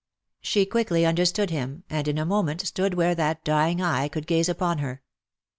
She quickly understood him, and in a moment stood where that dying eye could gaze upon her.